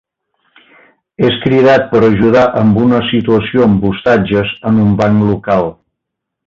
És cridat per ajudar amb una situació amb ostatges en un banc local.